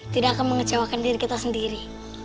tidak akan mengecewakan diri kita sendiri